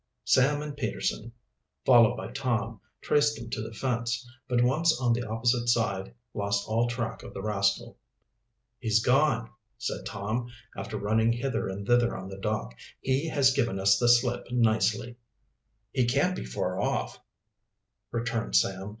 Sam and Peterson, followed by Tom, traced him to the fence, but once on the opposite side, lost all track of the rascal. "He's gone," said Tom, after running hither and thither on the dock. "He has given us the slip nicely." "He can't be far off," returned Sam.